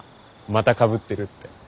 またかぶってるって。